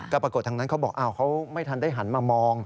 ก็ปรากฏทางนั้นเขาบอกเขาไม่ทันได้หันมามอง